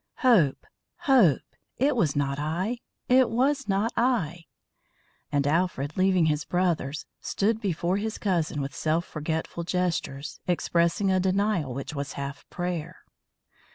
"Hope! Hope! It was not I! It was not I!" And Alfred, leaving his brothers, stood before his young cousin, with self forgetful gestures expressing a denial which was half prayer.